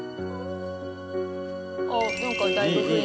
「ああなんかだいぶ雰囲気」